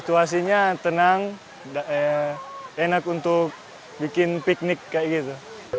situasi nya tenang enak untuk bikin piknik kayak gitu